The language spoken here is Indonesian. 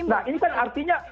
nah ini kan artinya